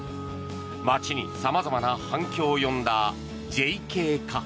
街に様々な反響を呼んだＪＫ課。